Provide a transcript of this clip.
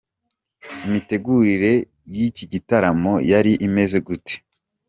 Imitegurire y’iki gitaramo yari imeze gute?.